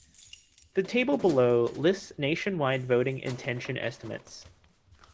The table below lists nationwide voting intention estimates.